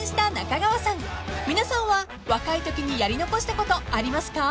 ［皆さんは若いときにやり残したことありますか？］